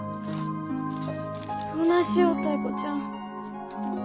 どないしよタイ子ちゃん。